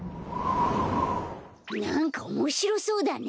なんかおもしろそうだね。